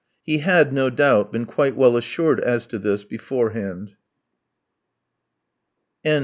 He had, no doubt, been quite well assured as to this beforehand.